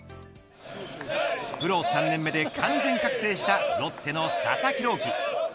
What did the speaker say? プロ３年目で完全覚醒したロッテの佐々木朗希。